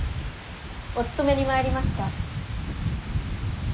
おつとめに参りました。